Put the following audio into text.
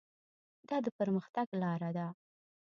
دا د پرمختګ لاره ده.